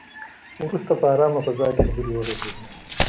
وروسته په ارامه فضا کې خبرې وغځېدې.